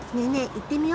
行ってみよ！